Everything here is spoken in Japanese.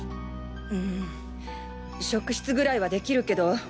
うん職質ぐらいはできるけど。